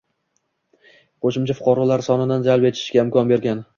qo‘shimcha fuqarolar sonini jalb etishga imkon bergan